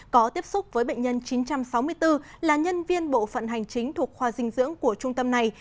có tiếp xúc với bệnh nhân chín trăm sáu mươi bốn là nhân viên bộ phận hành chính thuộc khoa dinh dưỡng của trung tâm này